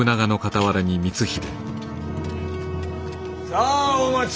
さあお待ち